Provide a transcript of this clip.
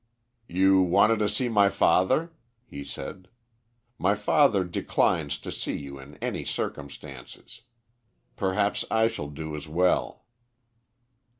"You wanted to see my father?" he said. "My father declines to see you in any circumstances. Perhaps I shall do as well."